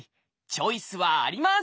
チョイスはあります！